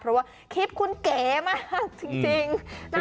เพราะว่าคลิปคุณแก๋มากจริงน่ารักมาก